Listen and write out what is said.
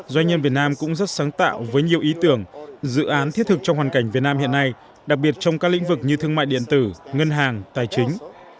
doanh nhân việt nam cũng rất sáng tạo với nhiều ý tưởng dự án thiết thực trong hoàn cảnh việt nam hiện nay đặc biệt trong các lĩnh vực như thương mại điện tử ngân hàng tài chính